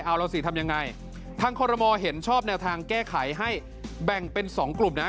เอาเราสิทำยังไงทางคอรมอลเห็นชอบแนวทางแก้ไขให้แบ่งเป็น๒กลุ่มนะ